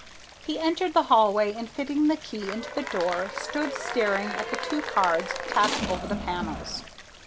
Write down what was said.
He entered the hallway, and fitting the key into the door, stood staring at the two cards tacked over the panels.